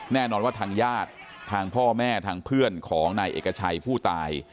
แน่นอนว่าทางญาติทางพ่อแม่ทางเพื่อนของนายเอกชัยผู้ตาย